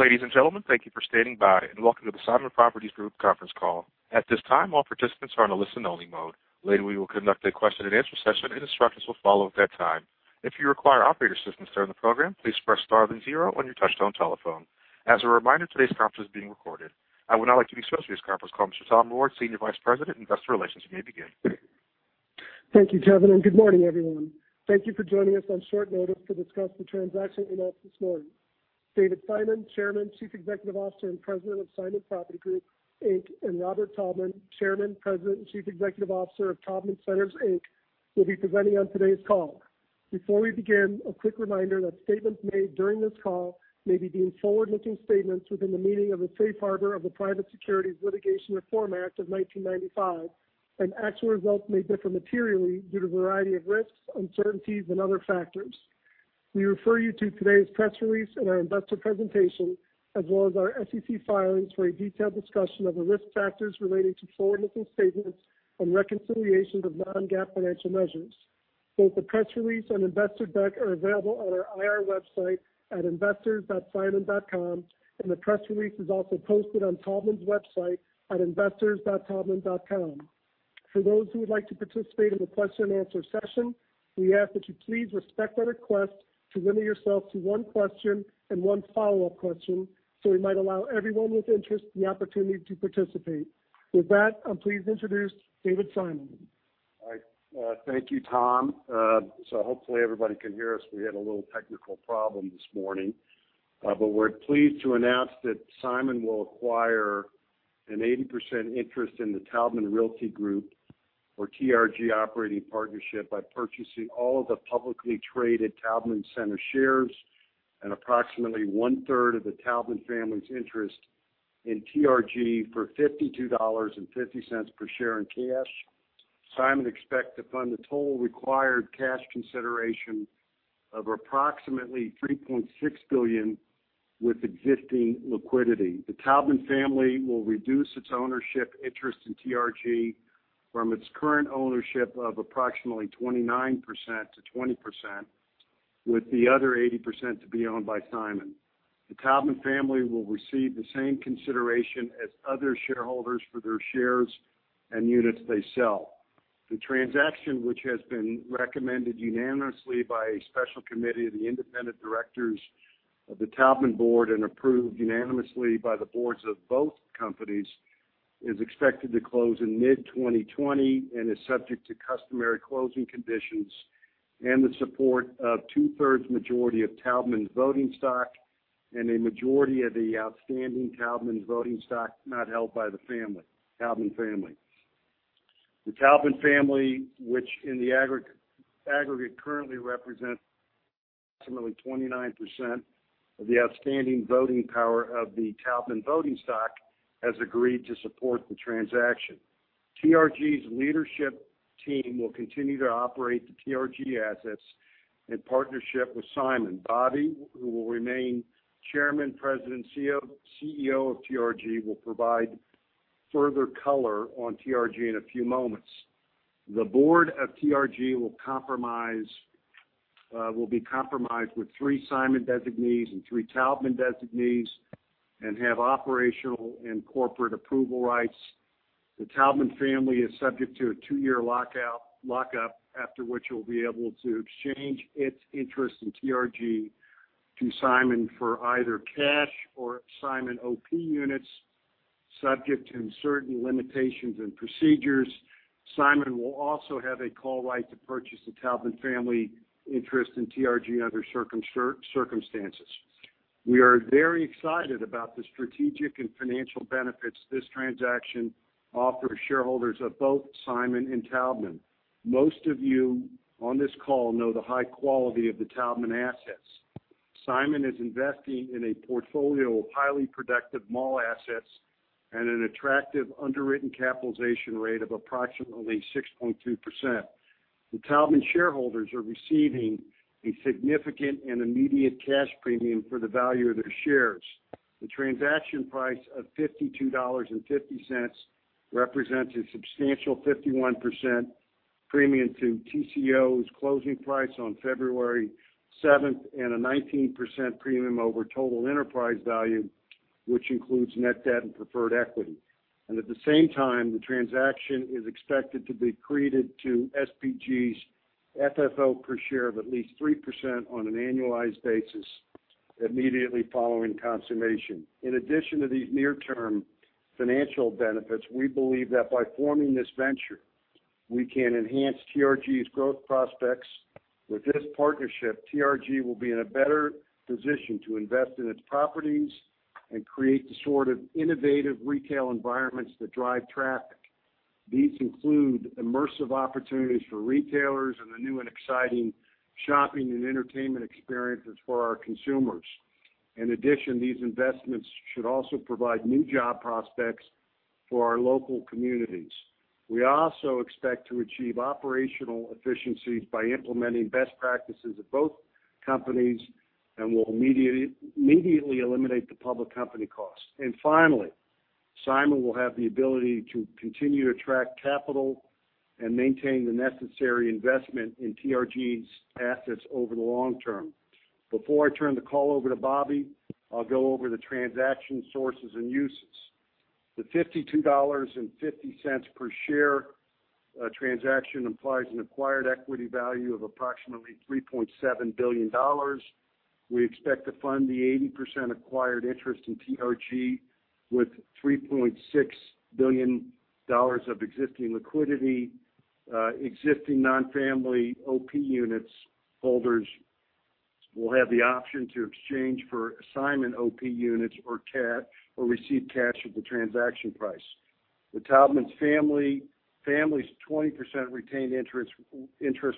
Ladies and gentlemen, thank you for standing by, and welcome to the Simon Property Group conference call. At this time, all participants are in a listen only mode. Later, we will conduct a question and answer session, and instructions will follow at that time. If you require operator assistance during the program, please press star then zero on your touchtone telephone. As a reminder, today's conference is being recorded. I would now like to introduce this conference call. Mr. Tom Ward, Senior Vice President, Investor Relations, you may begin. Thank you Kevin, and good morning, everyone. Thank you for joining us on short notice to discuss the transaction we announced this morning. David Simon, Chairman, Chief Executive Officer and President of Simon Property Group, Inc., and Robert Taubman, Chairman, President, and Chief Executive Officer of Taubman Centers, Inc., will be presenting on today's call. Before we begin, a quick reminder that statements made during this call may be deemed forward-looking statements within the meaning of a safe harbor of the Private Securities Litigation Reform Act of 1995, and actual results may differ materially due to a variety of risks, uncertainties, and other factors. We refer you to today's press release and our investor presentation, as well as our SEC filings for a detailed discussion of the risk factors relating to forward-looking statements and reconciliations of non-GAAP financial measures. Both the press release and investor deck are available on our IR website at investors.simon.com, and the press release is also posted on Taubman's website at investors.taubman.com. For those who would like to participate in the question and answer session, we ask that you please respect our request to limit yourself to one question and one follow-up question, so we might allow everyone with interest the opportunity to participate. With that, I'm pleased to introduce David Simon. All right. Thank you Tom. Hopefully everybody can hear us. We had a little technical problem this morning. We're pleased to announce that Simon will acquire an 80% interest in The Taubman Realty Group or TRG operating partnership by purchasing all of the publicly traded Taubman Center shares and approximately 1/3 of the Taubman family's interest in TRG for $52.50 per share in cash. Simon expects to fund the total required cash consideration of approximately $3.6 billion with existing liquidity. The Taubman family will reduce its ownership interest in TRG from its current ownership of approximately 29% to 20%, with the other 80% to be owned by Simon. The Taubman family will receive the same consideration as other shareholders for their shares and units they sell. The transaction, which has been recommended unanimously by a special committee of the independent directors of the Taubman board and approved unanimously by the boards of both companies, is expected to close in mid-2020 and is subject to customary closing conditions and the support of 2/3 majority of Taubman's voting stock and a majority of the outstanding Taubman voting stock not held by the Taubman family. The Taubman family, which in the aggregate currently represents approximately 29% of the outstanding voting power of the Taubman voting stock, has agreed to support the transaction. TRG's leadership team will continue to operate the TRG assets in partnership with Simon. Bobby, who will remain chairman, president, CEO of TRG, will provide further color on TRG in a few moments. The board of TRG will be comprised of three Simon designees and three Taubman designees and have operational and corporate approval rights. The Taubman family is subject to a two-year lockup, after which it will be able to exchange its interest in TRG to Simon for either cash or Simon OP units, subject to certain limitations and procedures. Simon will also have a call right to purchase the Taubman family interest in TRG under circumstances. We are very excited about the strategic and financial benefits this transaction offers shareholders of both Simon and Taubman. Most of you on this call know the high quality of the Taubman assets. Simon is investing in a portfolio of highly productive mall assets at an attractive underwritten capitalization rate of approximately 6.2%. The Taubman shareholders are receiving a significant and immediate cash premium for the value of their shares. The transaction price of $52.50 represents a substantial 51% premium to TCO's closing price on February 7th, 2020 and a 19% premium over total enterprise value, which includes net debt and preferred equity. At the same time, the transaction is expected to be accretive to SPG's FFO per share of at least 3% on an annualized basis immediately following consummation. In addition to these near-term financial benefits, we believe that by forming this venture, we can enhance TRG's growth prospects. With this partnership, TRG will be in a better position to invest in its properties and create the sort of innovative retail environments that drive traffic. These include immersive opportunities for retailers and the new and exciting shopping and entertainment experiences for our consumers. In addition, these investments should also provide new job prospects for our local communities. We also expect to achieve operational efficiencies by implementing best practices at both companies and will immediately eliminate the public company cost. Finally Simon will have the ability to continue to attract capital and maintain the necessary investment in TRG's assets over the long term. Before I turn the call over to Bobby, I'll go over the transaction sources and uses. The $52.50 per share transaction implies an acquired equity value of approximately $3.7 billion. We expect to fund the 80% acquired interest in TRG with $3.6 billion of existing liquidity. Existing non-family OP units holders will have the option to exchange for Simon OP units or receive cash at the transaction price. The Taubman family's 20% retained interest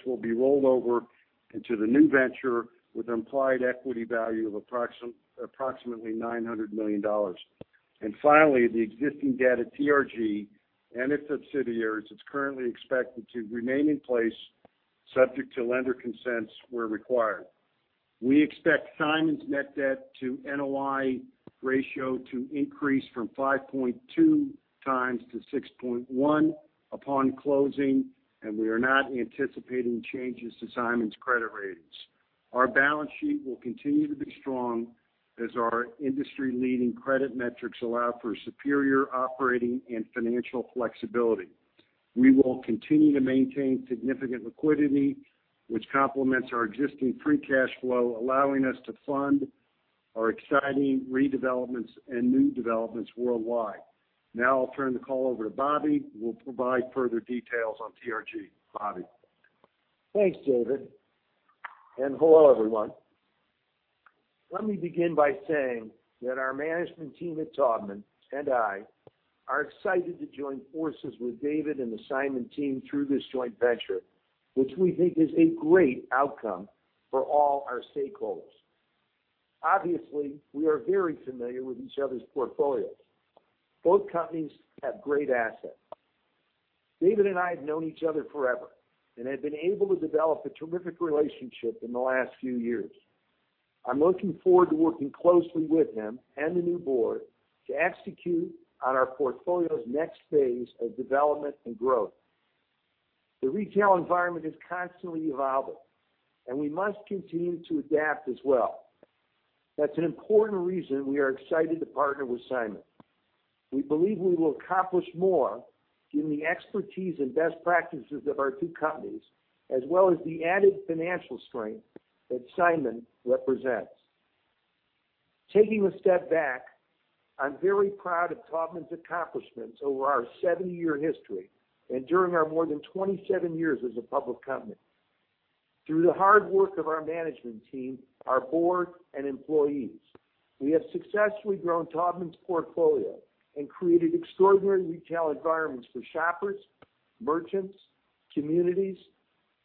will be rolled over into the new venture with an implied equity value of approximately $900 million. Finally, the existing debt at TRG and its subsidiaries, it's currently expected to remain in place subject to lender consents where required. We expect Simon's net debt to NOI ratio to increase from 5.2x to 6.1x upon closing, and we are not anticipating changes to Simon's credit ratings. Our balance sheet will continue to be strong as our industry-leading credit metrics allow for superior operating and financial flexibility. We will continue to maintain significant liquidity, which complements our existing free cash flow, allowing us to fund our exciting redevelopments and new developments worldwide. Now I'll turn the call over to Bobby, who will provide further details on TRG. Bobby. Thanks, David, and hello, everyone. Let me begin by saying that our management team at Taubman and I are excited to join forces with David and the Simon team through this joint venture, which we think is a great outcome for all our stakeholders. Obviously, we are very familiar with each other's portfolios. Both companies have great assets. David and I have known each other forever and have been able to develop a terrific relationship in the last few years. I'm looking forward to working closely with him and the new board to execute on our portfolio's next phase of development and growth. The retail environment is constantly evolving, and we must continue to adapt as well. That's an important reason we are excited to partner with Simon. We believe we will accomplish more in the expertise and best practices of our two companies, as well as the added financial strength that Simon represents. Taking a step back, I'm very proud of Taubman's accomplishments over our 70-year history and during our more than 27 years as a public company. Through the hard work of our management team, our board, and employees, we have successfully grown Taubman's portfolio and created extraordinary retail environments for shoppers, merchants, communities,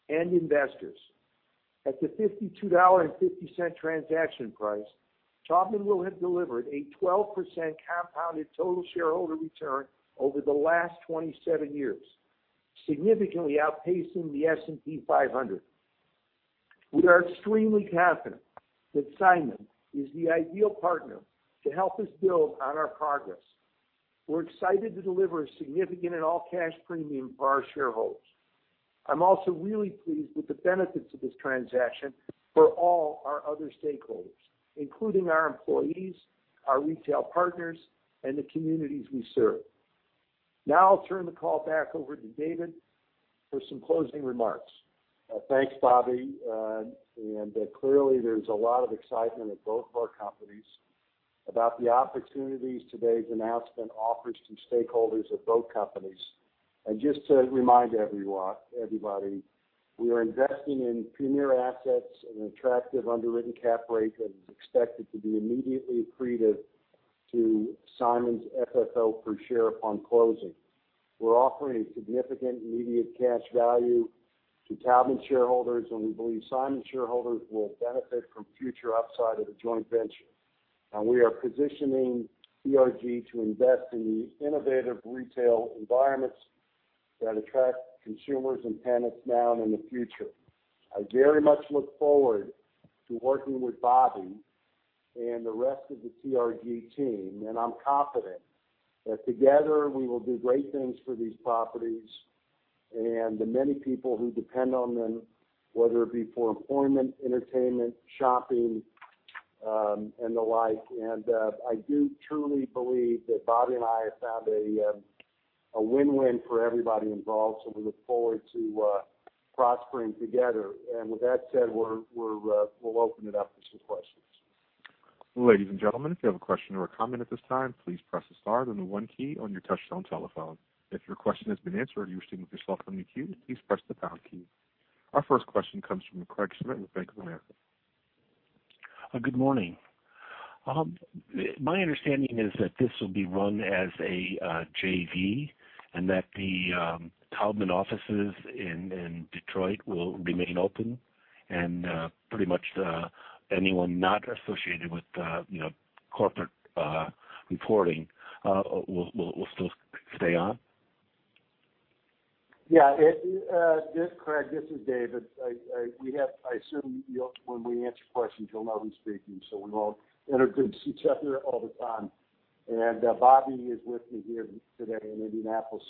and investors. At the $52.50 transaction price, Taubman will have delivered a 12% compounded total shareholder return over the last 27 years, significantly outpacing the S&P 500. We are extremely confident that Simon is the ideal partner to help us build on our progress. We're excited to deliver a significant and all-cash premium for our shareholders. I'm also really pleased with the benefits of this transaction for all our other stakeholders, including our employees, our retail partners, and the communities we serve. I'll turn the call back over to David for some closing remarks. Thanks, Bobby. Clearly, there's a lot of excitement at both of our companies about the opportunities today's announcement offers to stakeholders of both companies. Just to remind everybody, we are investing in premier assets and an attractive underwritten capitalization rate that is expected to be immediately accretive to Simon's FFO per share upon closing. We're offering a significant immediate cash value to Taubman shareholders, and we believe Simon shareholders will benefit from future upside of the joint venture. We are positioning TRG to invest in the innovative retail environments that attract consumers and tenants now and in the future. I very much look forward to working with Bobby and the rest of the TRG team, and I'm confident that together we will do great things for these properties and the many people who depend on them, whether it be for employment, entertainment, shopping, and the like. I do truly believe that Bobby and I have found a win-win for everybody involved, so we look forward to prospering together. With that said, we'll open it up to some questions. Ladies and gentlemen, if you have a question or a comment at this time, please press the star then the one key on your touchtone telephone. If your question has been answered or you wish to remove yourself from the queue, please press the pound key. Our first question comes from Craig Smith with Bank of America. Good morning. My understanding is that this will be run as a JV and that the Taubman offices in Detroit will remain open. Pretty much anyone not associated with corporate reporting will still stay on. Yeah. Craig this is David. I assume when we answer questions, you'll know who's speaking, so we won't interrupt each other all the time. Bobby is with me here today in Indianapolis.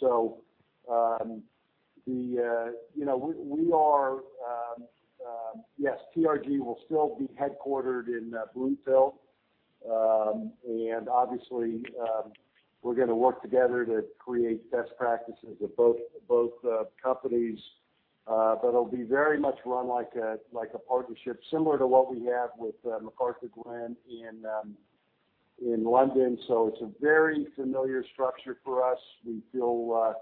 Yes, TRG will still be headquartered in Bloomfield Hills. Obviously, we're going to work together to create best practices at both companies. It'll be very much run like a partnership, similar to what we have with McArthurGlen in London. It's a very familiar structure for us. We feel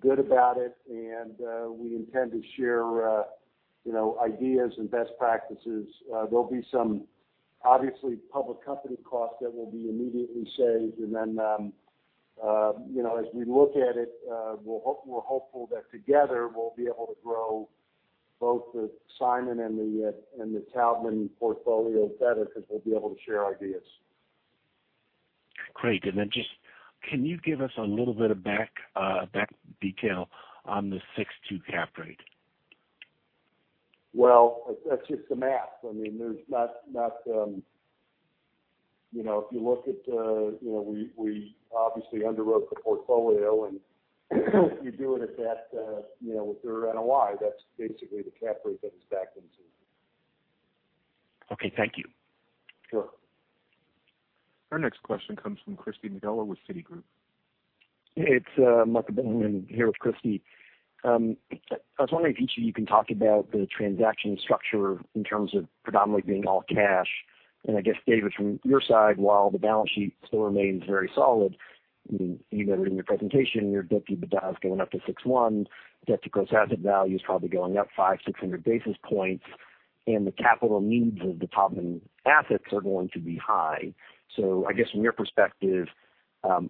good about it, and we intend to share ideas and best practices. There'll be some, obviously, public company costs that will be immediately saved, as we look at it, we're hopeful that together we'll be able to grow both the Simon and the Taubman portfolios better because we'll be able to share ideas. Great. Then just can you give us a little bit of back detail on the 6.2 capitalization rate? Well, that's just the math. We obviously underwrote the portfolio, and if you do it at that, with their NOI, that's basically the capitalization rate that it's backed into. Okay. Thank you. Sure. Our next question comes from Christy McGill with Citigroup. It's Michael Bilerman here with Christy. I was wondering if each of you can talk about the transaction structure in terms of predominantly being all cash. I guess, David from your side, while the balance sheet still remains very solid, even in your presentation, your debt-to-EBITDA is going up to 6.1, debt to gross asset value is probably going up 500, 600 basis points, and the capital needs of the Taubman assets are going to be high. I guess from your perspective,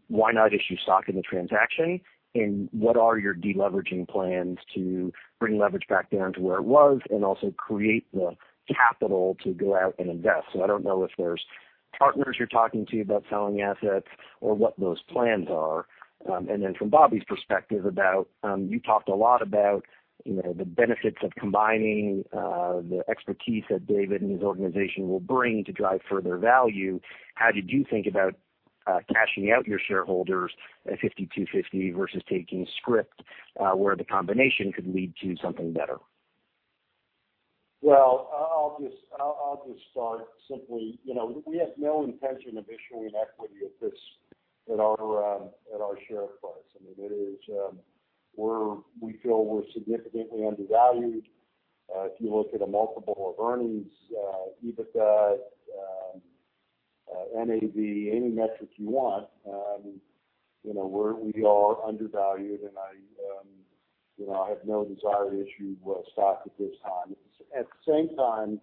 why not issue stock in the transaction? What are your de-leveraging plans to bring leverage back down to where it was and also create the capital to go out and invest? I don't know if there's partners you're talking to about selling assets or what those plans are. From Bobby's perspective about, you talked a lot about the benefits of combining the expertise that David and his organization will bring to drive further value. How did you think about cashing out your shareholders at $52.50 versus taking script, where the combination could lead to something better? Well, I'll just start simply. We have no intention of issuing equity at our share price. We feel we're significantly undervalued. If you look at a multiple of earnings, EBITDA, NAV, any metrics you want, we are undervalued, and I have no desire to issue stock at this time. At the same time,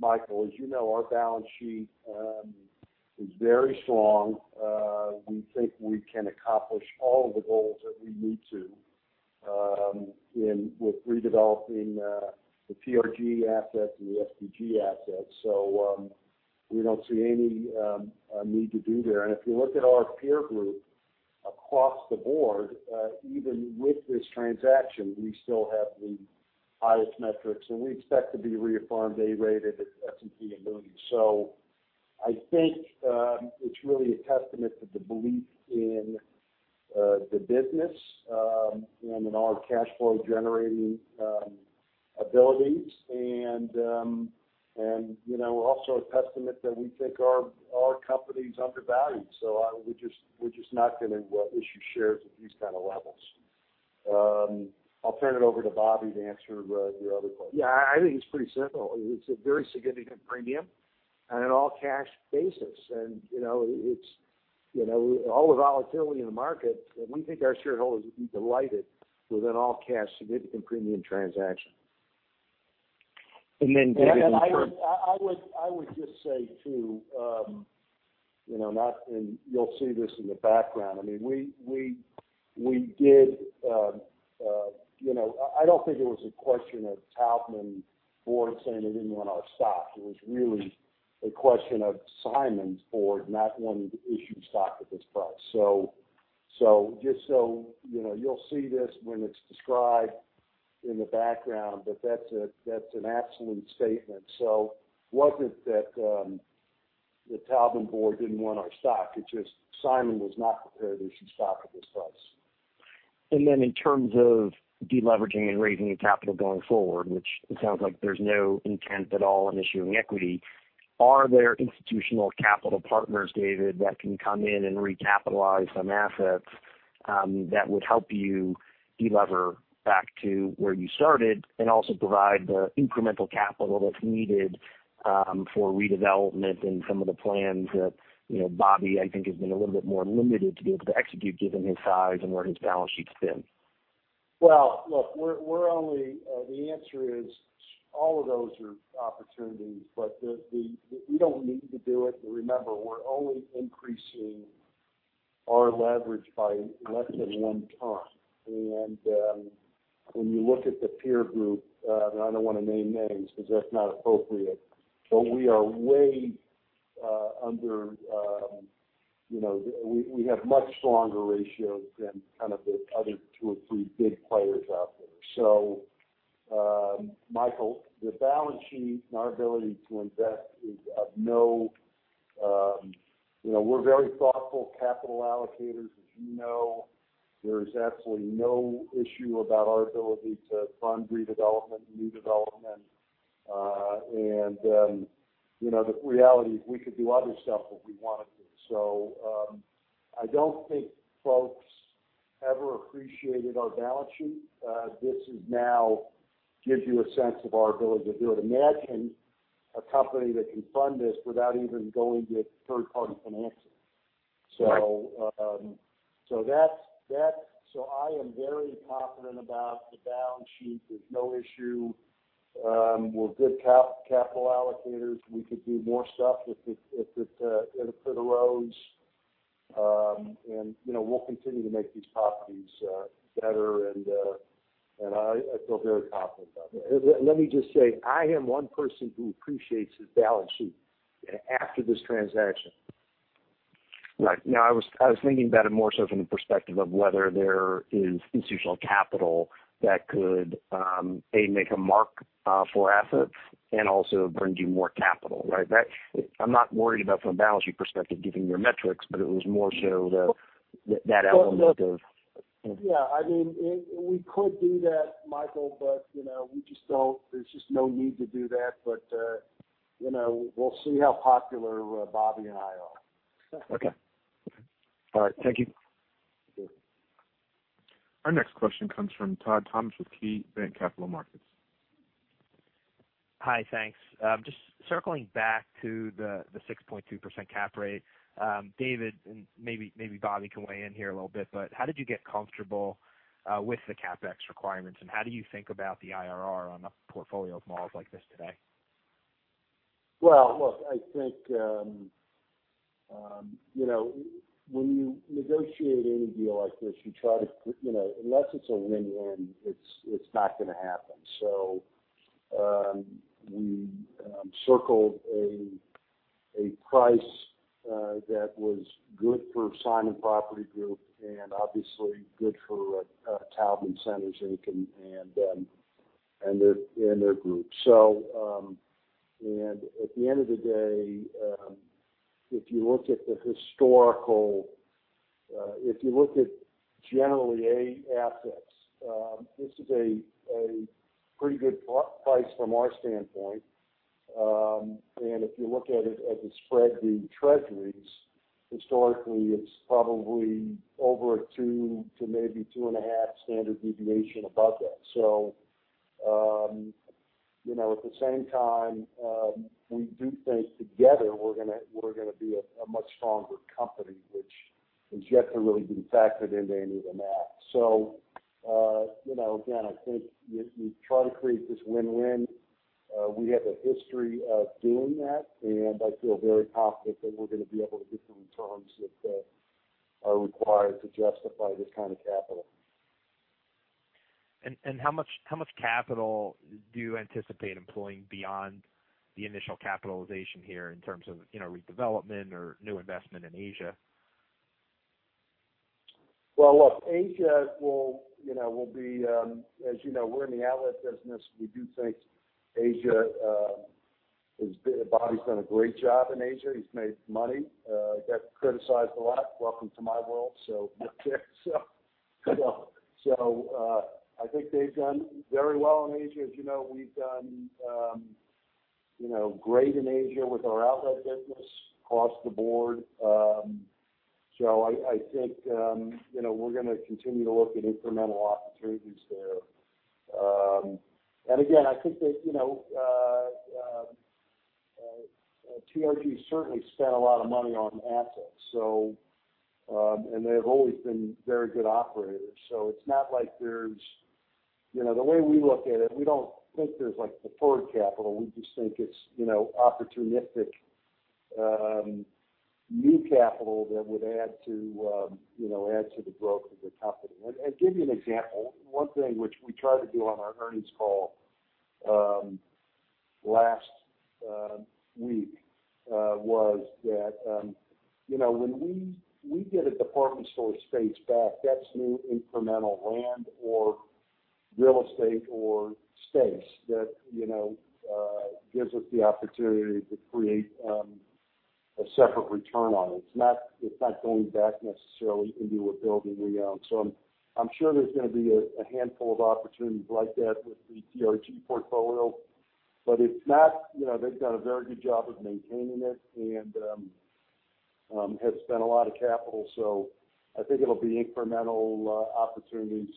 Michael, as you know, our balance sheet is very strong. We think we can accomplish all the goals that we need to with redeveloping the TRG assets and the SPG assets. We don't see any need to do there. If you look at our peer group across the board, even with this transaction, we still have the highest metrics, and we expect to be reaffirmed A-rated at S&P and Moody's. I think it's really a testament to the belief in the business and in our cash flow-generating abilities and also a testament that we think our company's undervalued. We're just not going to issue shares at these kind of levels. I'll turn it over to Bobby to answer your other question. Yeah, I think it's pretty simple. It's a very significant premium on an all-cash basis. With all the volatility in the market, we think our shareholders would be delighted with an all-cash, significant premium transaction. David. I would just say, too, and you'll see this in the background. I don't think it was a question of Taubman board saying they didn't want our stock. It was really a question of Simon's board not wanting to issue stock at this price. You'll see this when it's described in the background, but that's an absolute statement. It wasn't that the Taubman board didn't want our stock, it's just Simon was not prepared to issue stock at this price. In terms of de-leveraging and raising capital going forward, which it sounds like there's no intent at all in issuing equity, are there institutional capital partners, David, that can come in and recapitalize some assets that would help you de-lever back to where you started and also provide the incremental capital that's needed for redevelopment and some of the plans that Bobby, I think, has been a little bit more limited to be able to execute given his size and where his balance sheet's been? Well, look, the answer is all of those are opportunities. We don't need to do it. Remember, we're only increasing our leverage by less than 1x. When you look at the peer group, and I don't want to name names because that's not appropriate, we have much stronger ratios than kind of the other two or three big players out there. Michael, the balance sheet and our ability to invest. We're very thoughtful capital allocators, as you know. There is absolutely no issue about our ability to fund redevelopment, new development. The reality is we could do other stuff if we wanted to. I don't think folks ever appreciated our balance sheet. This now gives you a sense of our ability to do it. Imagine a company that can fund this without even going to third-party financing. Right. I am very confident about the balance sheet. There's no issue. We're good capital allocators. We could do more stuff if it clear the roads. We'll continue to make these properties better and I feel very confident about that. Let me just say, I am one person who appreciates this balance sheet after this transaction. Right. No, I was thinking about it more so from the perspective of whether there is institutional capital that could, A, make a mark for assets and also bring you more capital, right? I'm not worried about from a balance sheet perspective, given your metrics, but it was more so the- Well. that element of- Yeah. We could do that, Michael, but there's just no need to do that. We'll see how popular Bobby and I are. Okay. All right. Thank you. Sure. Our next question comes from Todd Thomas with KeyBanc Capital Markets. Hi. Thanks. Just circling back to the 6.2% capitalization rate. David, and maybe Bobby can weigh in here a little bit, but how did you get comfortable with the CapEx requirements, and how do you think about the IRR on a portfolio of malls like this today? Well, look, I think, when you negotiate any deal like this, unless it's a win-win, it's not going to happen. We circled a price that was good for Simon Property Group and obviously good for Taubman Centers Inc., and their group. At the end of the day, if you look at generally A assets, this is a pretty good price from our standpoint. If you look at it as a spread to treasuries, historically, it's probably over a two to maybe two and a half standard deviation above that. At the same time, we do think together we're going to be a much stronger company, which has yet to really been factored into any of the math. Again, I think we try to create this win-win. We have a history of doing that, and I feel very confident that we're going to be able to get the returns that are required to justify this kind of capital. How much capital do you anticipate employing beyond the initial capitalization here in terms of redevelopment or new investment in Asia? Well, look, Asia will be As you know, we're in the outlet business. We do think Asia Bobby's done a great job in Asia. He's made money. He got criticized a lot. Welcome to my world. I think they've done very well in Asia. As you know, we've done great in Asia with our outlet business across the board. I think, we're going to continue to look at incremental opportunities there. Again, I think that TRG certainly spent a lot of money on assets, and they've always been very good operators. The way we look at it, we don't think there's deferred capital. We just think it's opportunistic, new capital that would add to the growth of the company. Give you an example. One thing which we tried to do on our earnings call, last week, was that, when we get a department store space back, that's new incremental land or real estate or space that gives us the opportunity to create a separate return on it. It's not going back necessarily into a building we own. I'm sure there's going to be a handful of opportunities like that with the TRG portfolio. They've done a very good job of maintaining it and have spent a lot of capital. I think it'll be incremental opportunities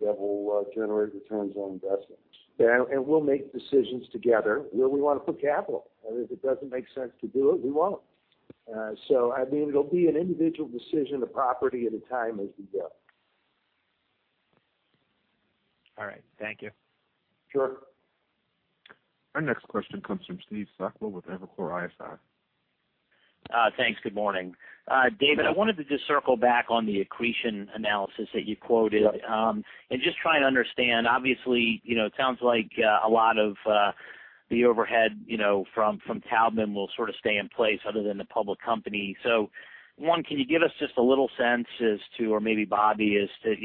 that will generate returns on investments. We'll make decisions together where we want to put capital. If it doesn't make sense to do it, we won't. I mean, it'll be an individual decision, a property at a time as we go. All right. Thank you. Sure. Our next question comes from Steve Sakwa with Evercore ISI. Thanks. Good morning. David I wanted to just circle back on the accretion analysis that you quoted, and just try and understand. Obviously, it sounds like a lot of the overhead from Taubman will sort of stay in place other than the public company. One, can you give us just a little sense as to, or maybe Bobby, as to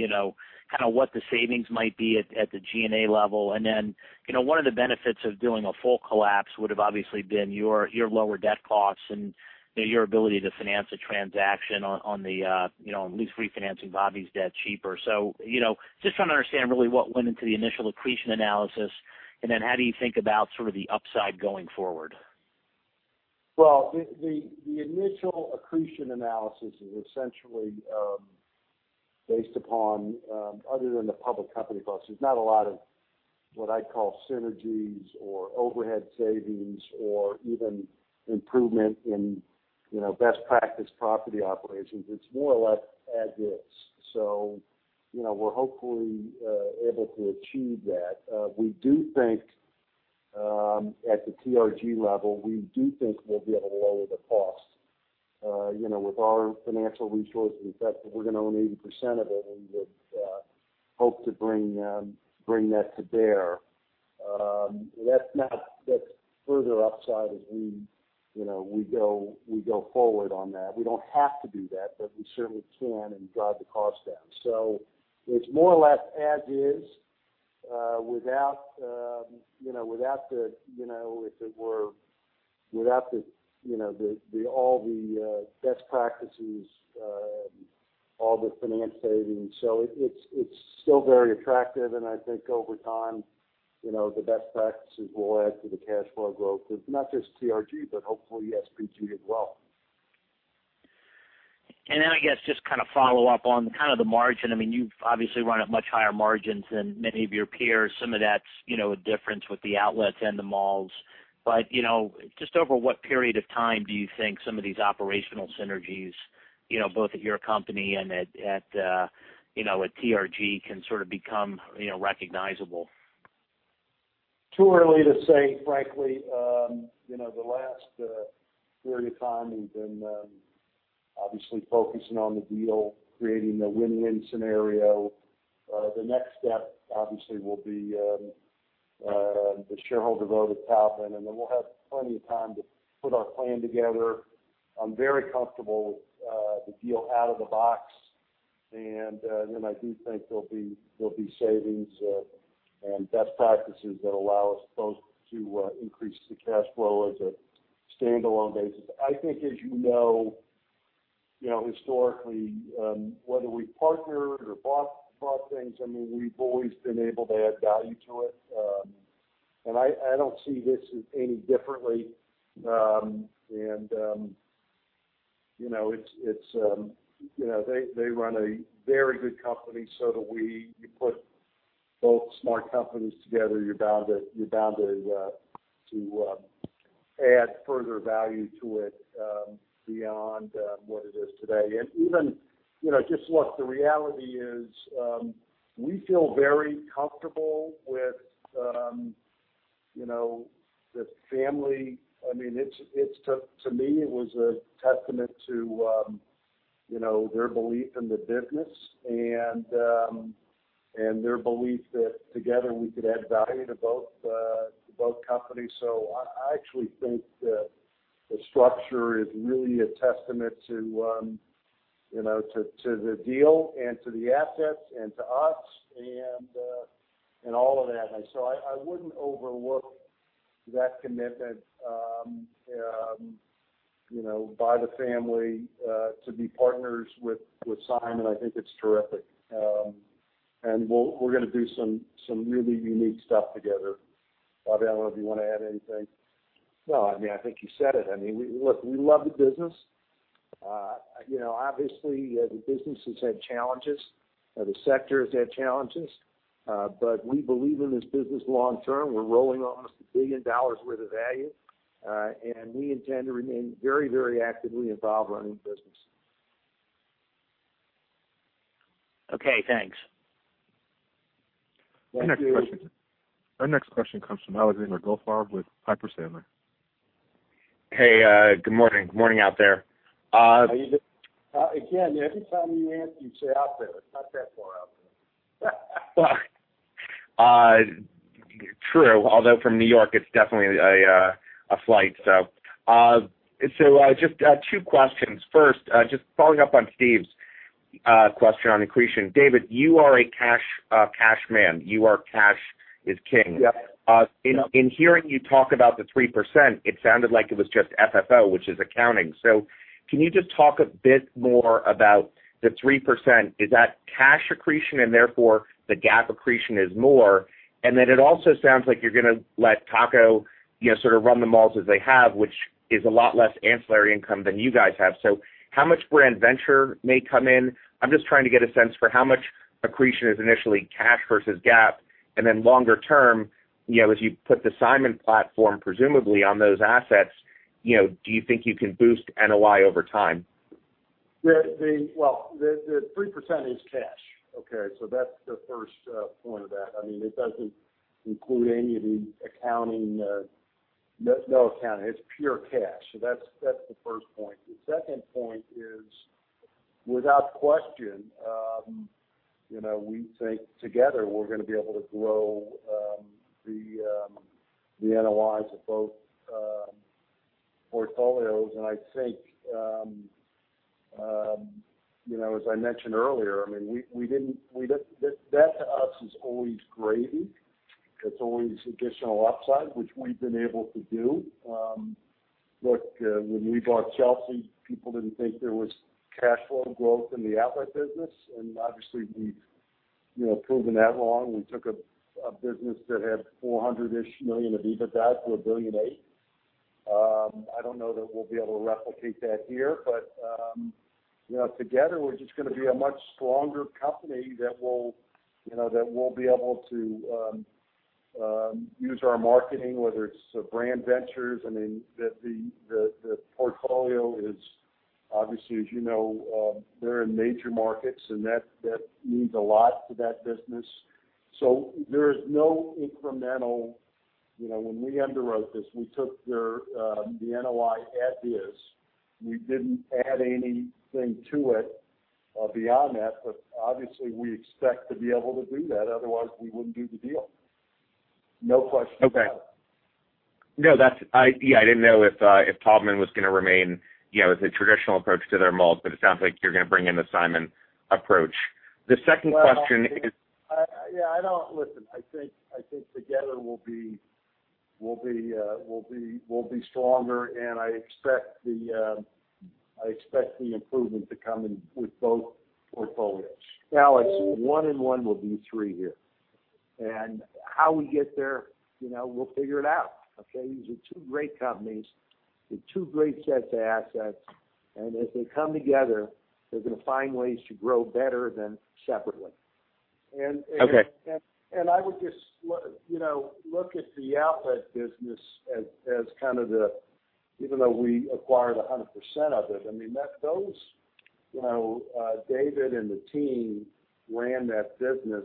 what the savings might be at the G&A level? Then, one of the benefits of doing a full collapse would've obviously been your lower debt costs and your ability to finance a transaction on at least refinancing Bobby's debt cheaper. Just trying to understand really what went into the initial accretion analysis, and then how do you think about sort of the upside going forward? Well, the initial accretion analysis is essentially based upon, other than the public company costs, there's not a lot of what I'd call synergies or overhead savings or even improvement in best practice property operations. It's more or less as is. We're hopefully able to achieve that. At the TRG level, we do think we'll be able to lower the cost with our financial resources. In fact, if we're going to own 80% of it, we would hope to bring that to bear. That's further upside as we go forward on that. We don't have to do that, we certainly can and drive the cost down. It's more or less as is, without all the best practices, all the finance savings. It's still very attractive, and I think over time, the best practices will add to the cash flow growth of not just TRG, but hopefully SPG as well. I guess, just kind of follow up on kind of the margin. You obviously run at much higher margins than many of your peers. Some of that's a difference with the outlets and the malls. Just over what period of time do you think some of these operational synergies, both at your company and at TRG, can sort of become recognizable? Too early to say, frankly. The last period of time, we've been obviously focusing on the deal, creating the win-win scenario. The next step obviously will be the shareholder vote at Taubman, then we'll have plenty of time to put our plan together. I'm very comfortable with the deal out of the box. Then I do think there'll be savings and best practices that allow us both to increase the cash flow as a standalone basis. I think, as you know, historically, whether we've partnered or bought things, we've always been able to add value to it. I don't see this any differently. They run a very good company, so do we. You put both smart companies together, you're bound to add further value to it beyond what it is today. Even, just look, the reality is, we feel very comfortable with the family. To me, it was a testament to their belief in the business and their belief that together we could add value to both companies. I actually think the structure is really a testament to the deal and to the assets and to us and all of that. I wouldn't overlook that commitment by the family to be partners with Simon. I think it's terrific. We're going to do some really unique stuff together. Bobby, I don't know if you want to add anything. No, I think you said it. Look, we love the business. Obviously, the business has had challenges. The sector has had challenges. We believe in this business long term. We're rolling almost $1 billion worth of value. We intend to remain very actively involved running the business. Okay, thanks. Thank you. Our next question comes from Alexander Goldfarb with Piper Sandler. Hey, good morning. Morning out there. Every time you ask, you say out there. It's not that far out there. True. Although from New York, it's definitely a flight. Just two questions. First, just following up on Steve's question on accretion. David, you are a cash man. You are cash is king. Yep. In hearing you talk about the 3%, it sounded like it was just FFO, which is accounting. Can you just talk a bit more about the 3%? Is that cash accretion and therefore the GAAP accretion is more? It also sounds like you're going to let Taubman sort of run the malls as they have, which is a lot less ancillary income than you guys have. How much brand venture may come in? I'm just trying to get a sense for how much accretion is initially cash versus GAAP, and then longer term, as you put the Simon platform presumably on those assets, do you think you can boost NOI over time? Well, the 3% is cash. Okay, that's the first point of that. It doesn't include any of the accounting. No accounting. It's pure cash. That's the first point. The second point is, without question, we think together we're going to be able to grow the NOIs of both portfolios. I think, as I mentioned earlier, debt to us is always gravy. It's always additional upside, which we've been able to do. Look, when we bought Chelsea, people didn't think there was cash flow growth in the outlet business. Obviously we've proven that wrong. We took a business that had $400-ish million of EBITDA to $1.8 billion. I don't know that we'll be able to replicate that here, but together, we're just going to be a much stronger company that will be able to use our marketing, whether it's brand ventures. The portfolio is obviously, as you know, they're in major markets, and that means a lot to that business. There is no When we underwrote this, we took the NOI as is. We didn't add anything to it beyond that. Obviously, we expect to be able to do that, otherwise we wouldn't do the deal. No question about it. Okay. I didn't know if Taubman was going to remain with a traditional approach to their malls, but it sounds like you're going to bring in the Simon approach. The second question is. Listen, I think together we'll be stronger, and I expect the improvement to come in with both portfolios. Alex, one and one will be three here. How we get there, we'll figure it out. Okay? These are two great companies with two great sets of assets. As they come together, they're going to find ways to grow better than separately. Okay. I would just look at the outlet business as kind of the, even though we acquired 100% of it, David and the team ran that business.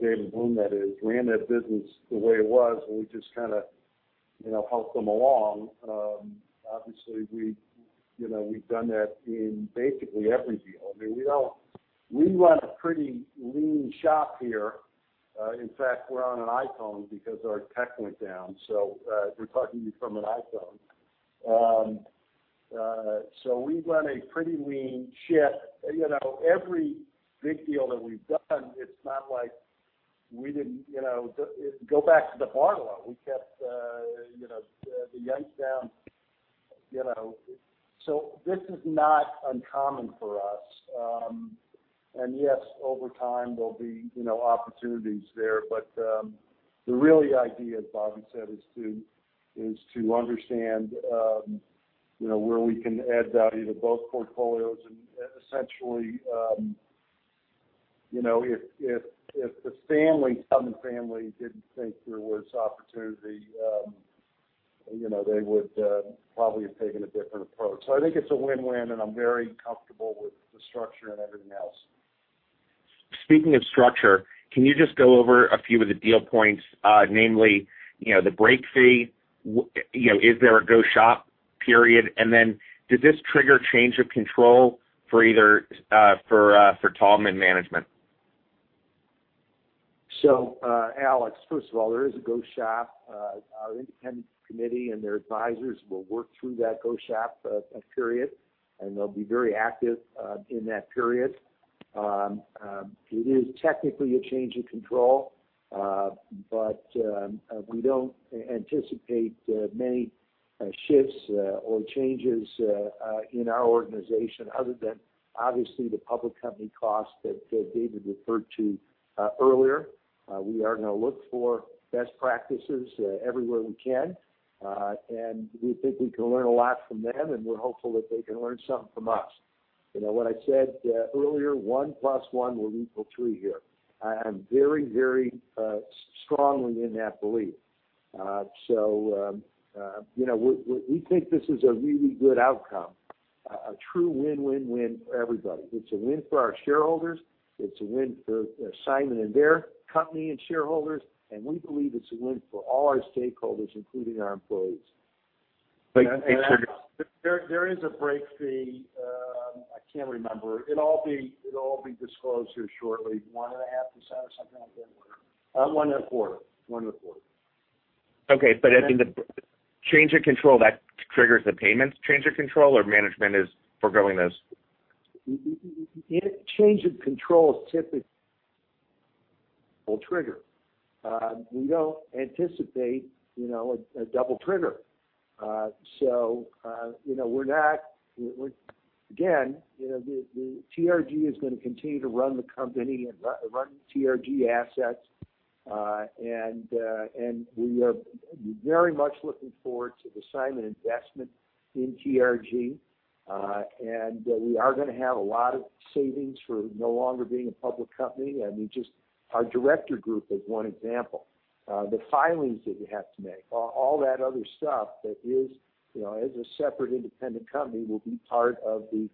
David Simon, that is, ran that business the way it was, and we just kind of helped them along. Obviously, we've done that in basically every deal. We run a pretty lean shop here. In fact, we're on an iPhone because our tech went down. We're talking to you from an iPhone. We run a pretty lean ship. Every big deal that we've done, it's not like we didn't Go back to the Barlow. We kept the yanks down. This is not uncommon for us. Yes, over time, there'll be opportunities there. The really idea, as Bobby said, is to understand where we can add value to both portfolios. Essentially, if the Taubman family didn't think there was opportunity, they would probably have taken a different approach. I think it's a win-win, and I'm very comfortable with the structure and everything else. Speaking of structure, can you just go over a few of the deal points, namely the break fee? Is there a go shop period, and then does this trigger change of control for Taubman Management? Alex, first of all, there is a go shop. Our independent committee and their advisors will work through that go shop period, and they'll be very active in that period. It is technically a change of control, but we don't anticipate many shifts or changes in our organization other than, obviously, the public company cost that David referred to earlier. We are going to look for best practices everywhere we can. We think we can learn a lot from them, and we're hopeful that they can learn something from us. What I said earlier, one plus one will equal three here. I'm very strongly in that belief. We think this is a really good outcome, a true win-win-win for everybody. It's a win for our shareholders. It's a win for Simon and their company and shareholders. We believe it's a win for all our stakeholders, including our employees. There is a break fee. I can't remember. It'll all be disclosed here shortly. One and a half percentage or something like that. One and a quarter. One and a quarter. Okay, I think the change of control, that triggers the payments change of control, or management is foregoing those? Change of control is typically a double trigger. We don't anticipate a double trigger. Again, TRG is going to continue to run the company and run TRG assets. We are very much looking forward to the Simon investment in TRG. We are going to have a lot of savings for no longer being a public company. I mean, just our director group is one example. The filings that you have to make, all that other stuff that is, as a separate independent company, will be part of the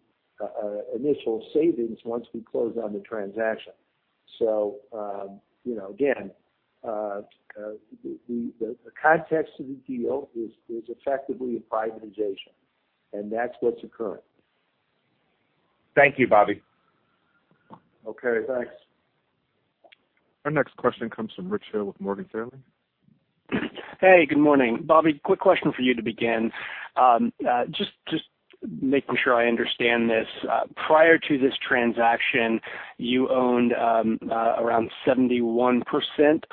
initial savings once we close on the transaction. Again, the context of the deal is effectively a privatization, and that's what's occurring. Thank you, Bobby. Okay, thanks. Our next question comes from Rich Hill with Morgan Stanley. Hey, good morning. Bobby, quick question for you to begin. Just making sure I understand this. Prior to this transaction, you owned around 71%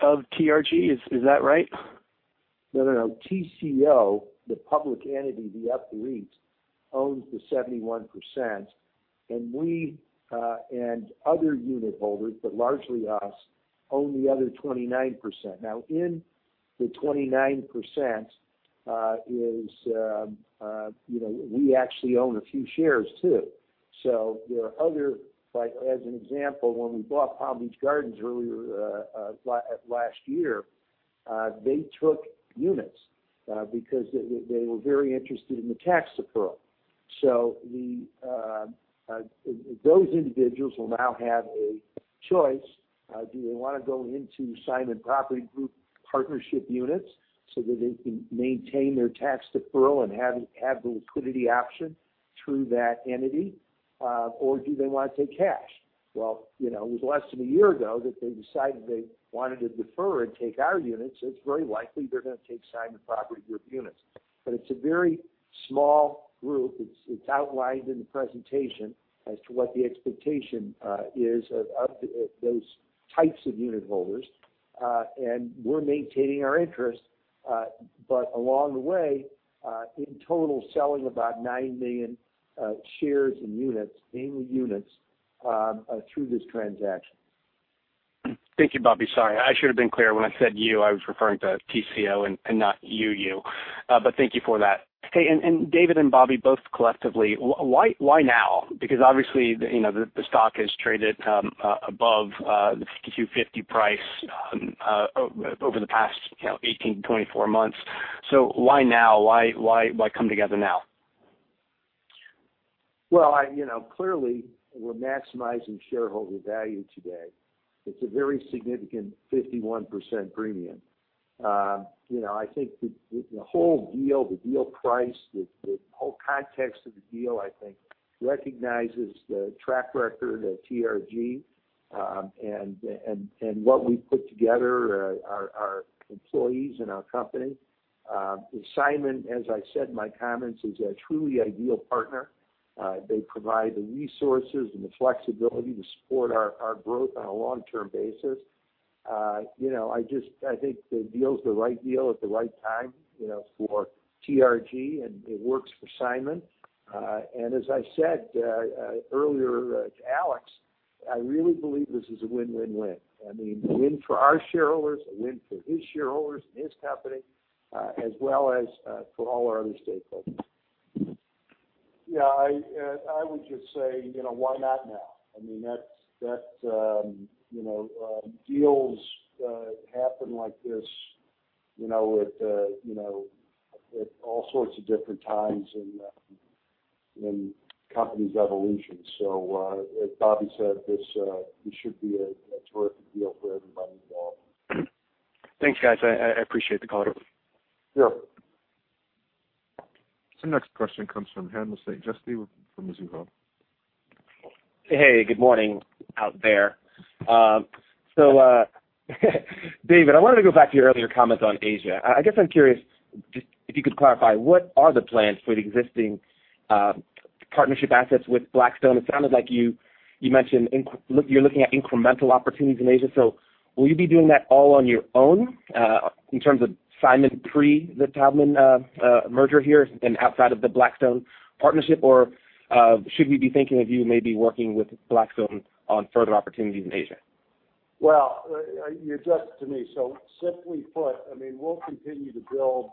of TRG. Is that right? No, Taubman Centers, the public entity, the REIT, owns the 71%, and we and other unit holders, but largely us, own the other 29%. In the 29%, we actually own a few shares, too. There are other, as an example, when we bought Palm Beach Gardens earlier last year, they took units because they were very interested in the tax deferral. Do they want to go in to Simon Property Group OP units so that they can maintain their tax deferral and have the liquidity option through that entity? Do they want to take cash? Well, it was less than a year ago that they decided they wanted to defer and take our units. It's very likely they're going to take Simon Property Group OP units. It's a very small group. It's outlined in the presentation as to what the expectation is of those types of unit holders. We're maintaining our interest, but along the way, in total, selling about 9 million shares and units, mainly units, through this transaction. Thank you, Bobby. Sorry, I should have been clear. When I said you, I was referring to TCO and not you-you. Thank you for that. Hey, David and Bobby, both collectively, why now? Obviously, the stock has traded above the $52.50 price over the past 18-24 months. Why now? Why come together now? Clearly, we're maximizing shareholder value today. It's a very significant 51% premium. I think the whole deal, the deal price, the whole context of the deal, I think, recognizes the track record of TRG and what we've put together, our employees and our company. Simon, as I said in my comments, is a truly ideal partner. They provide the resources and the flexibility to support our growth on a long-term basis. I think the deal's the right deal at the right time for TRG, it works for Simon. As I said earlier to Alex, I really believe this is a win-win-win. I mean, a win for our shareholders, a win for his shareholders and his company, as well as for all our other stakeholders. Yeah, I would just say, why not now? I mean, deals happen like this at all sorts of different times in a company's evolution. As Bobby said, this should be a terrific deal for everybody involved. Thanks, guys. I appreciate the call. Sure. Our next question comes from Haendel St. Juste from Mizuho. Hey, good morning out there. David, I wanted to go back to your earlier comments on Asia. I guess I'm curious if you could clarify, what are the plans for the existing partnership assets with Blackstone? It sounded like you mentioned you're looking at incremental opportunities in Asia. Will you be doing that all on your own in terms of Simon pre the Taubman merger here and outside of the Blackstone partnership, or should we be thinking of you maybe working with Blackstone on further opportunities in Asia? Well, you're just to me. Simply put, we'll continue to build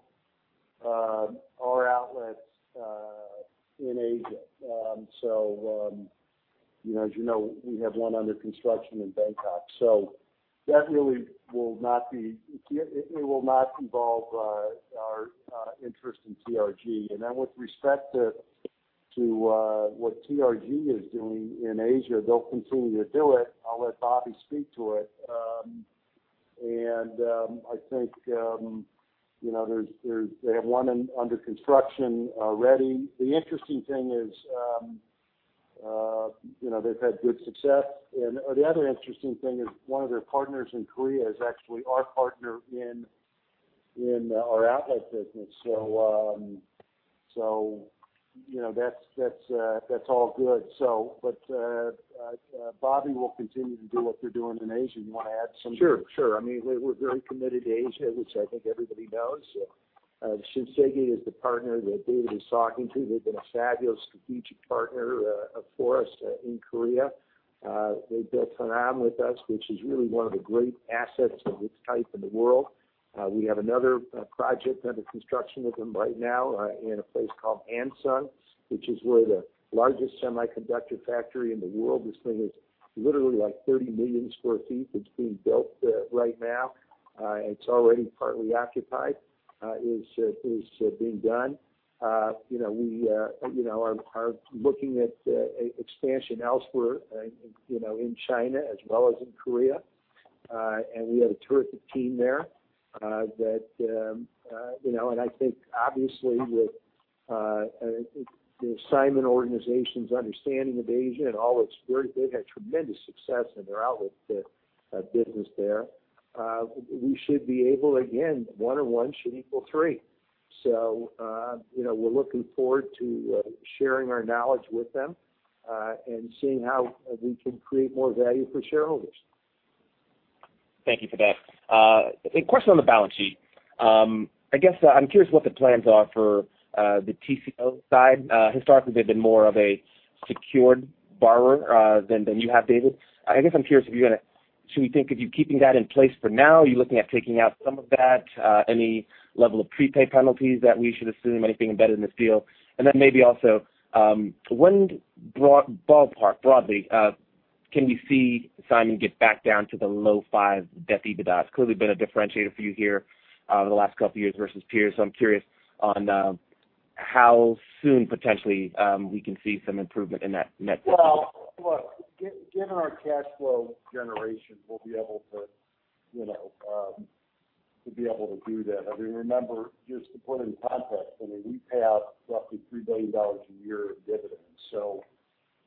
our outlets in Asia. As you know, we have one under construction in Bangkok, so that really will not involve our interest in TRG. With respect to what TRG is doing in Asia, they'll continue to do it. I'll let Bobby speak to it. I think they have one under construction already. The interesting thing is they've had good success. The other interesting thing is one of their partners in Korea is actually our partner in our outlet business. That's all good. Bobby will continue to do what they're doing in Asia. You want to add something? Sure. We're very committed to Asia, which I think everybody knows. Shinsegae is the partner that David was talking to. They've been a fabulous strategic partner for us in Korea. They built Hanam with us, which is really one of the great assets of its type in the world. We have another project under construction with them right now in a place called Ansan, which is where the largest semiconductor factory in the world, this thing is literally like 30 million sq ft, it's being built right now. It's already partly occupied, is being done. We are looking at expansion elsewhere in China as well as in Korea. We have a terrific team there. I think obviously, with the Simon organization's understanding of Asia and all its worth, they've had tremendous success in their outlet business there. We should be able, again, one and one should equal three. We're looking forward to sharing our knowledge with them, and seeing how we can create more value for shareholders. Thank you for that. A question on the balance sheet. I guess, I'm curious what the plans are for the TCO side. Historically, they've been more of a secured borrower than you have, David. I guess I'm curious, should we think of you keeping that in place for now? Are you looking at taking out some of that? Any level of prepay penalties that we should assume, anything embedded in this deal? Maybe also, when, ballpark, broadly, can we see Simon get back down to the low five debt-EBITDA? It's clearly been a differentiator for you here over the last couple of years versus peers. I'm curious on how soon potentially we can see some improvement in that metric. Well, look, given our cash flow generation, we'll be able to do that. Remember, just to put it in context, we pay out roughly $3 billion a year in dividends.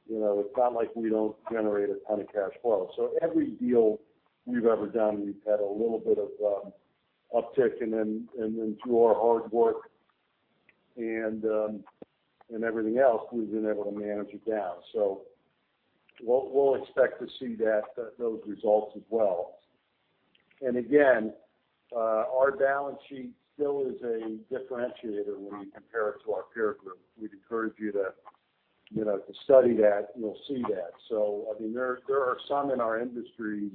It's not like we don't generate a ton of cash flow. Every deal we've ever done, we've had a little bit of uptick, and then through our hard work and everything else, we've been able to manage it down. We'll expect to see those results as well. Again, our balance sheet still is a differentiator when you compare it to our peer group. We'd encourage you to study that, and you'll see that. There are some in our industries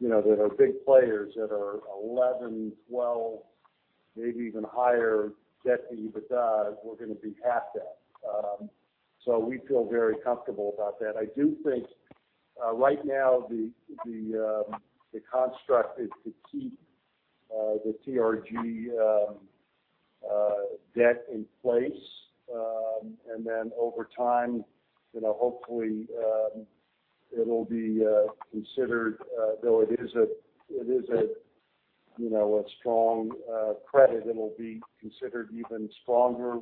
that are big players that are 11, 12, maybe even higher debt to EBITDA, we're going to be half that. We feel very comfortable about that. I do think right now the construct is to keep the TRG debt in place. Then over time, hopefully, it will be considered, though it is a strong credit, it'll be considered even stronger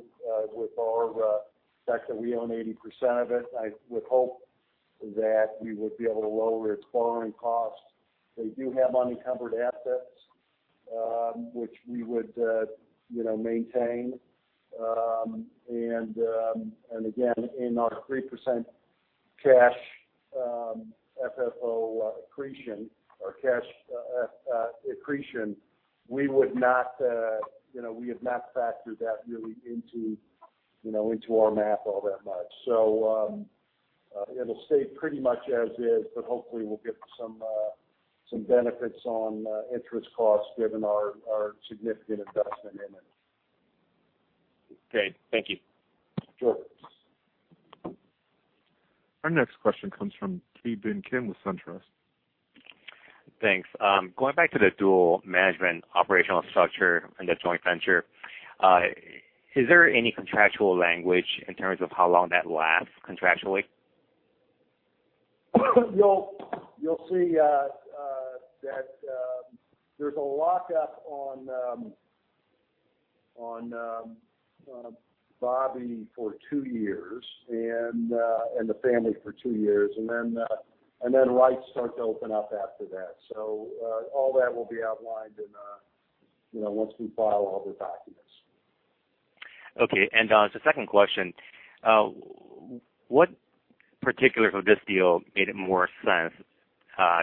with our fact that we own 80% of it. I would hope that we would be able to lower its borrowing cost. They do have unencumbered assets, which we would maintain. Again, in our 3% cash FFO accretion or cash accretion, we have not factored that really into our math all that much. It'll stay pretty much as is, but hopefully we'll get some benefits on interest costs given our significant investment in it. Great. Thank you. Sure. Our next question comes from Ki Bin Kim with SunTrust. Thanks. Going back to the dual management operational structure and the joint venture, is there any contractual language in terms of how long that lasts contractually? You'll see that there's a lockup on Bobby for two years, and the family for two years, and then rights start to open up after that. All that will be outlined once we file all the documents. Okay. As a second question, what particulars of this deal made more sense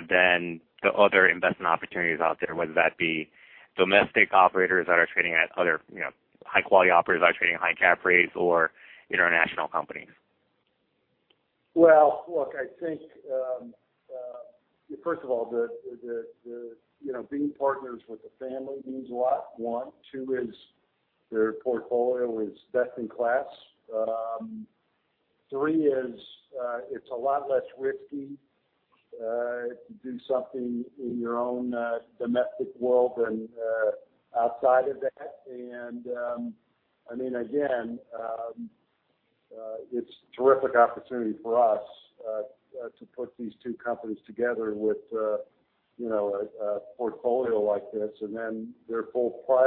than the other investment opportunities out there, whether that be domestic operators that are trading at other high-quality operators that are trading at high cap rates or international companies? Well, look, I think, first of all, being partners with the family means a lot, one. Two is their portfolio is best in class. Three is it's a lot less risky to do something in your own domestic world than outside of that. Again, it's a terrific opportunity for us to put these two companies together with a portfolio like this. Then their full-price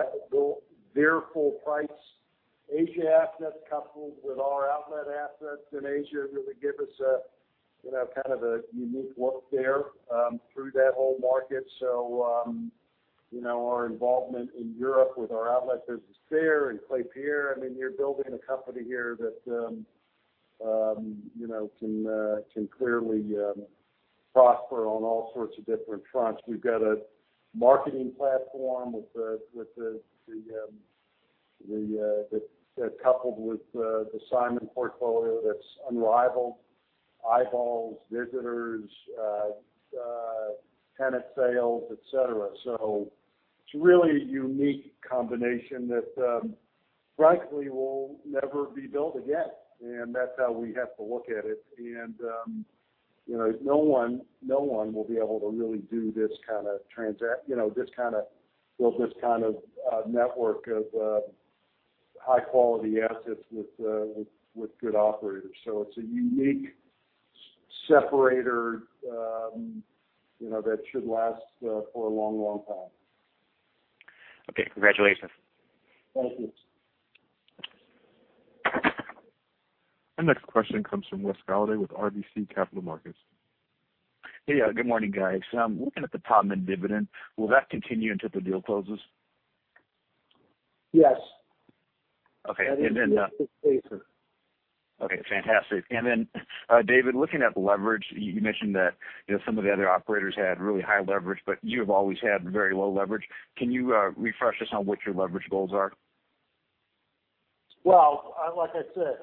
Asia assets coupled with our outlet assets in Asia really give us kind of a unique look there through that whole market. Our involvement in Europe with our outlet business there and Klépierre, you're building a company here that can clearly prosper on all sorts of different fronts. We've got a marketing platform coupled with the Simon portfolio that's unrivaled eyeballs, visitors, tenant sales, et cetera. It's really a unique combination that frankly will never be built again, and that's how we have to look at it. No one will be able to really build this kind of network of high-quality assets with good operators. It's a unique separator that should last for a long time. Okay. Congratulations. Thank you. Our next question comes from Wes Golladay with RBC Capital Markets. Hey. Good morning, guys. Looking at the Taubman dividend, will that continue until the deal closes? Yes. Okay. That is the Okay, fantastic. David, looking at the leverage, you mentioned that some of the other operators had really high leverage, but you have always had very low leverage. Can you refresh us on what your leverage goals are? Well, like I said,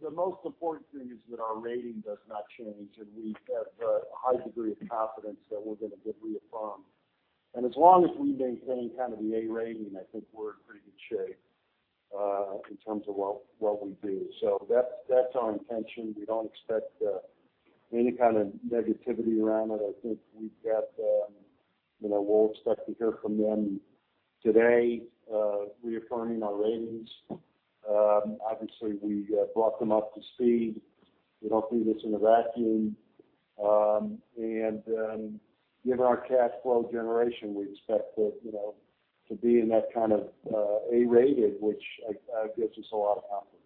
the most important thing is that our rating does not change, we have a high degree of confidence that we're going to get reaffirmed. As long as we maintain kind of the A rating, I think we're in pretty good shape in terms of what we do. That's our intention. We don't expect any kind of negativity around it. I think we'll expect to hear from them today reaffirming our ratings. Obviously, we brought them up to speed. We don't do this in a vacuum. Given our cash flow generation, we expect to be in that kind of A-rated, which gives us a lot of confidence.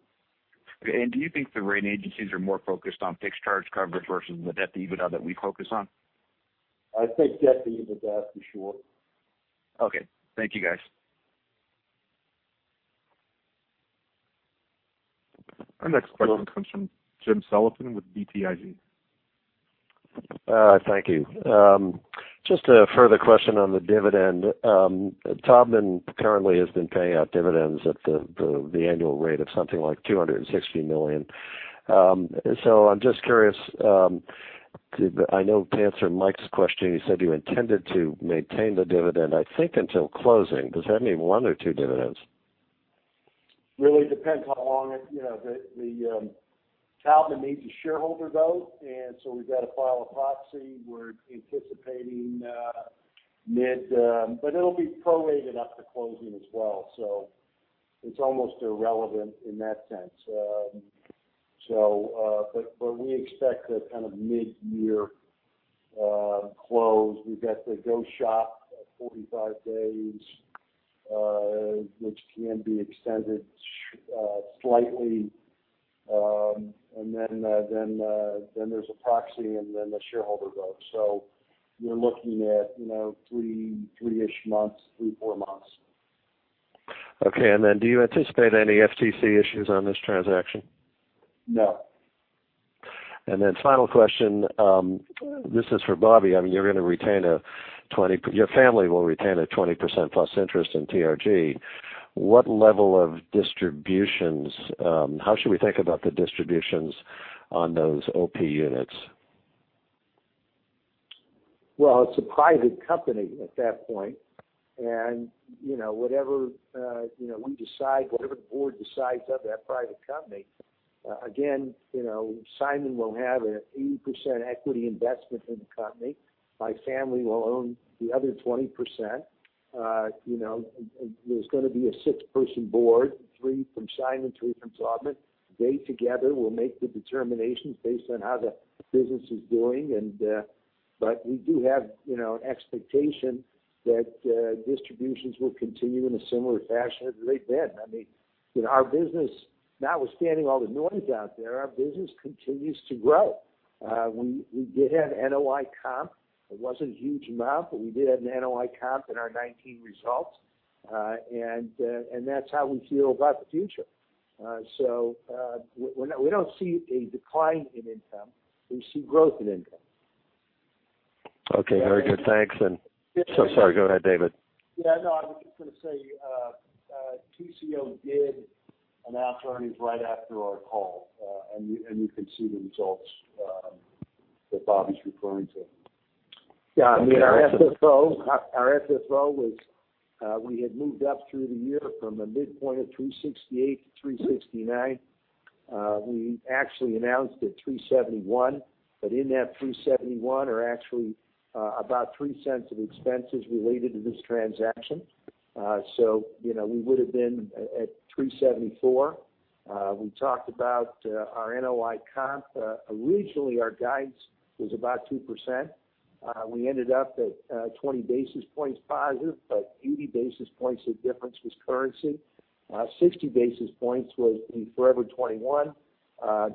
Okay, do you think the rating agencies are more focused on fixed charge coverage versus the debt EBITDA that we focus on? I think debt EBITDA for sure. Okay. Thank you, guys. Our next question comes from James Sullivan with BTIG. Thank you. Just a further question on the dividend. Taubman currently has been paying out dividends at the annual rate of something like $260 million. I'm just curious, I know to answer Mike's question, you said you intended to maintain the dividend, I think until closing. Does that mean one or two dividends? Really depends how long Taubman needs a shareholder vote. We've got to file a proxy. It'll be prorated up to closing as well, so it's almost irrelevant in that sense. We expect a kind of mid-year close. We've got the go-shop of 45 days, which can be extended slightly. There's a proxy and then the shareholder vote. You're looking at three-ish months, three, four months. Okay, do you anticipate any FTC issues on this transaction? No. Then final question. This is for Bobby. Your family will retain a 20%-plus interest in TRG. How should we think about the distributions on those OP units? Well, it's a private company at that point, and whatever the board decides of that private company. Simon will have an 80% equity investment in the company. My family will own the other 20%. There's going to be a six-person board, three from Simon, three from Taubman. They together will make the determinations based on how the business is doing. We do have an expectation that distributions will continue in a similar fashion as they've been. Notwithstanding all the noise out there, our business continues to grow. We did have NOI comp. It wasn't a huge amount, we did have an NOI comp in our 2019 results. That's how we feel about the future. We don't see a decline in income. We see growth in income. Okay. Very good. Thanks. Sorry. Go ahead, David. Yeah, no, I was just going to say, TCO did announce earnings right after our call, and you can see the results that Bobby's referring to. Yeah. Our FFO, we had moved up through the year from a midpoint of $3.68-$3.69. We actually announced at 371. In that 371 are actually about $0.03 of expenses related to this transaction. We would've been at 374. We talked about our NOI comp. Originally, our guidance was about 2%. We ended up at 20 basis points positive, but 80 basis points of difference was currency. 60 basis points was the Forever 21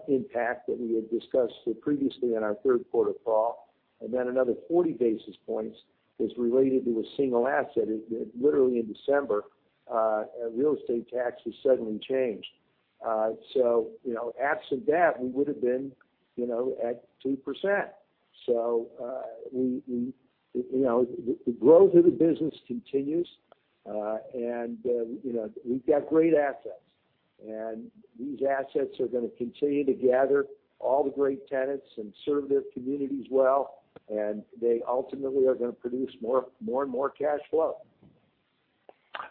impact that we had discussed previously in our third quarter call. Another 40 basis points is related to a single asset. Literally in December, real estate taxes suddenly changed. Absent that, we would've been at 2%. The growth of the business continues, and we've got great assets. These assets are going to continue to gather all the great tenants and serve their communities well, and they ultimately are going to produce more and more cash flow.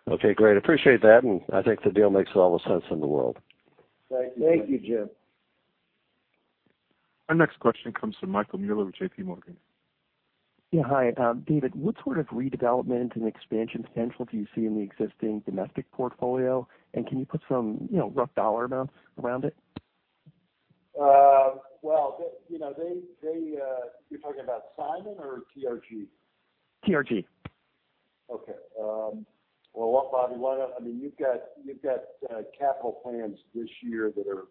Okay, great. Appreciate that. I think the deal makes a lot of sense in the world. Thank you, Jim. Our next question comes from Michael Mueller with JPMorgan. Yeah, hi. David, what sort of redevelopment and expansion potential do you see in the existing domestic portfolio, and can you put some rough dollar amounts around it? Well, you're talking about Simon or TRG? TRG. Okay. Well, Bobby, I mean, you've got capital plans this year that are,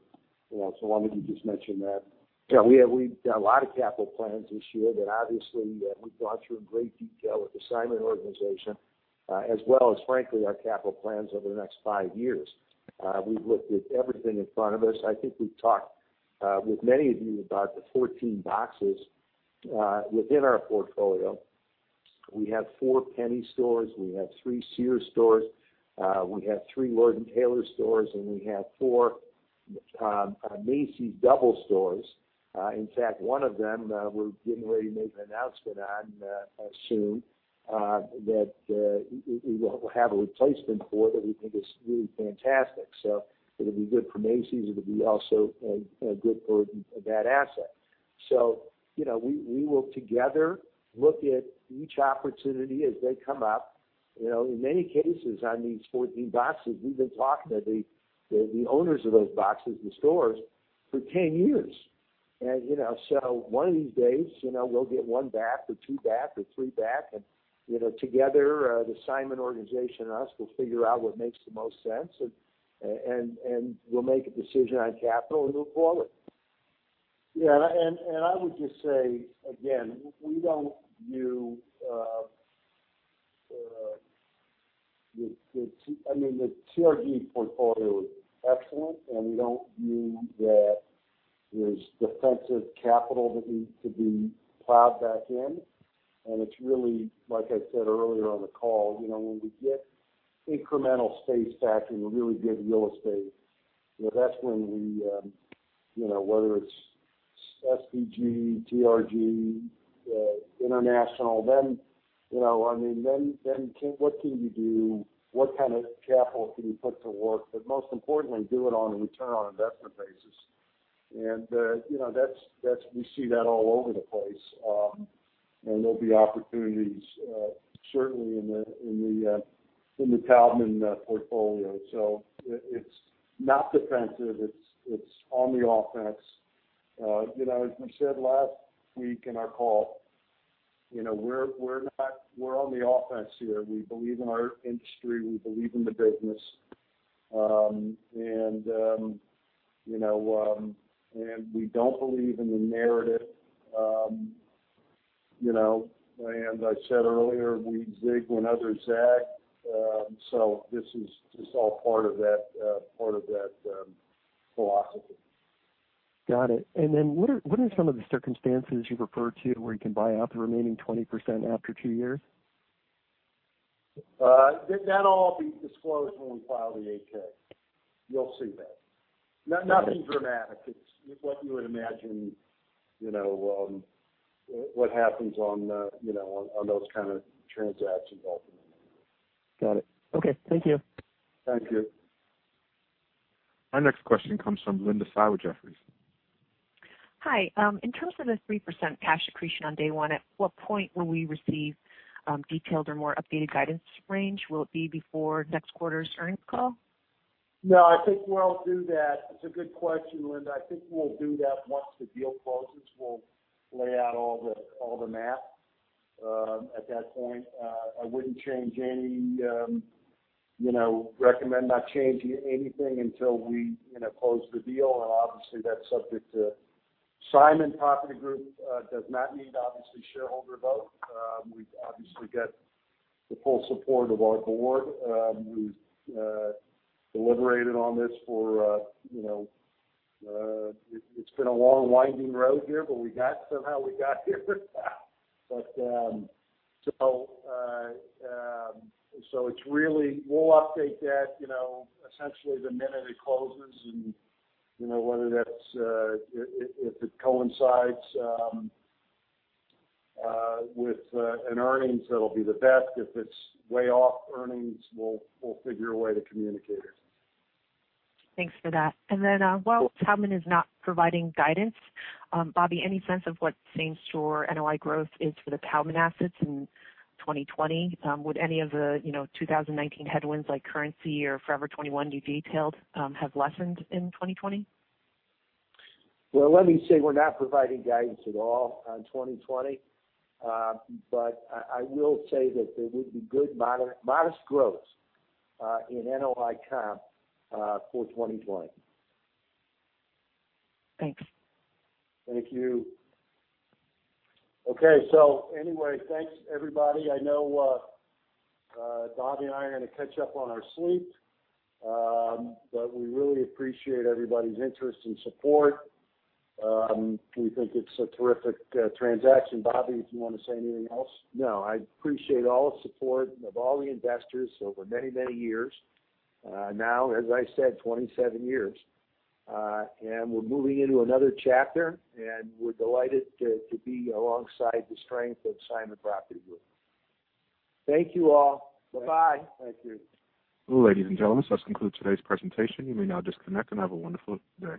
so why don't you just mention that? We've got a lot of capital plans this year that obviously, we've gone through in great detail with the Simon organization, as well as frankly our capital plans over the next five years. We've looked at everything in front of us. I think we've talked, with many of you about the 14 boxes, within our portfolio. We have four Penney stores, we have three Sears stores, we have three Lord & Taylor stores, and we have four, Macy's double stores. In fact, one of them, we're getting ready to make an announcement on, soon, that we will have a replacement for that we think is really fantastic. It'll be good for Macy's. It'll be also a good burden for that asset. We will together look at each opportunity as they come up. In many cases on these 14 boxes, we've been talking to the owners of those boxes and stores for 10 years. One of these days, we'll get one back or two back or three back, and together, the Simon organization and us will figure out what makes the most sense, and we'll make a decision on capital and move forward. I would just say, again, we don't view the, I mean, the TRG portfolio is excellent, and we don't view that there's defensive capital that needs to be plowed back in. It's really, like I said earlier on the call, when we get incremental space back in really good real estate, that's when we, whether it's SPG, TRG, international, what can you do? What kind of capital can you put to work? Most importantly, do it on a return on investment basis. We see that all over the place. There'll be opportunities, certainly in the Taubman portfolio. It's not defensive. It's on the offense. As we said last week in our call, we're on the offense here. We believe in our industry. We believe in the business. We don't believe in the narrative. I said earlier, we zig when others zag. This is just all part of that philosophy. Got it. Then what are some of the circumstances you referred to where you can buy out the remaining 20% after two years? That'll all be disclosed when we file the 8-K. You'll see that. Nothing dramatic. It's what you would imagine, what happens on those kind of transactions ultimately. Got it. Okay. Thank you. Thank you. Our next question comes from Linda Tsai Jefferies. Hi, in terms of the 3% cash accretion on day one, at what point will we receive detailed or more updated guidance range? Will it be before next quarter's earnings call? No, I think we'll do that. It's a good question, Linda Tsai. I think we'll do that once the deal closes. We'll lay out all the math at that point. I wouldn't recommend not changing anything until we close the deal. Obviously, that's subject to Simon Property Group does not need, obviously, shareholder vote. We've obviously got the full support of our board. We've deliberated on this for. It's been a long, winding road here. Somehow, we got here. So, we'll update that essentially the minute it closes. Whether that's if it coincides with an earnings, that'll be the best. If it's way off earnings, we'll figure a way to communicate it. Thanks for that. While Taubman is not providing guidance, Bobby, any sense of what same store NOI growth is for the Taubman assets in 2020? Would any of the 2019 headwinds like currency or Forever 21 you detailed, have lessened in 2020? Well, let me say we're not providing guidance at all on 2020. I will say that there would be good modest growth, in NOI comp, for 2020. Thanks. Thank you. Okay. Anyway, thanks everybody. I know, Bobby and I are going to catch up on our sleep. We really appreciate everybody's interest and support. We think it's a terrific transaction. Bobby, if you want to say anything else? No, I appreciate all the support of all the investors over many, many years. Now as I said, 27 years. We're moving into another chapter, and we're delighted to be alongside the strength of Simon Property Group. Thank you all. Bye-bye. Thank you. Ladies and gentlemen, this concludes today's presentation. You may now disconnect and have a wonderful day.